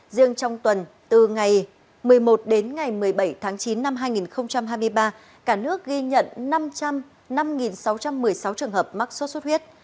riêng trong tuần từ ngày một mươi một đến ngày một mươi bảy tháng chín năm hai nghìn hai mươi ba cả nước ghi nhận năm sáu trăm một mươi sáu trường hợp mắc sốt xuất huyết